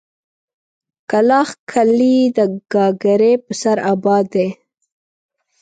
کلاخ کلي د گاگرې په سر اباد دی.